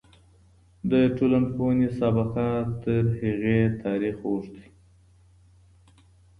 د ټولنپوهنې سابقه تر هغې تاريخ اوږده ده.